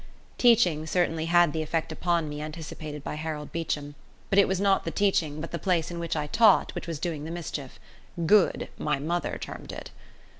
Teaching certainly had the effect upon me anticipated by Harold Beecham, but it was not the teaching but the place in which I taught which was doing the mischief good, my mother termed it.